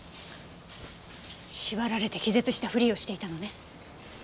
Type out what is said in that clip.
縛られて気絶したふりをしていたのね。